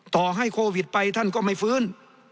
ต่อให้โควิดไปท่านก็ไม่ฟื้น